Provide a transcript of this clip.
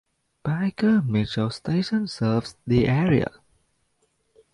Byker Metro station serves the area.